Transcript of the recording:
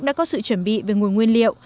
đã có sự chuẩn bị về nguồn nguyên liệu